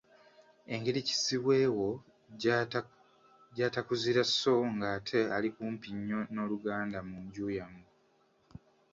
Engeri kizibwe wo gy’atakuzira so ng’ate ali kumpi nnyo n’oluganda mu nju yammwe.